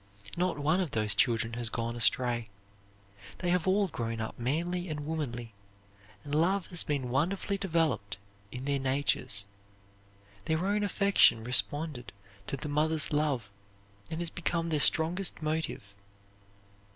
Not one of those children has gone astray. They have all grown up manly and womanly, and love has been wonderfully developed in their natures. Their own affection responded to the mother's love and has become their strongest motive.